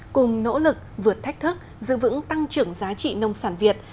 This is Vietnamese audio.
cùng nỗ lực vượt thách thức giữ vững tăng trưởng giá trị nông sản việt